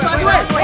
ke sepak kadang